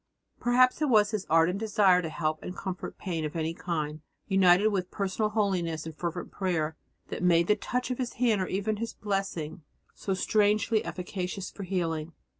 Perhaps it was his ardent desire to help and comfort pain of any kind, united with personal holiness and fervent prayer, that made the touch of his hand or even his blessing so strangely efficacious for healing.